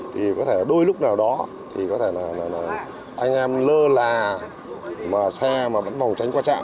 thì có thể đôi lúc nào đó thì có thể là anh em lơ là mà xe mà vẫn phòng tránh qua trạm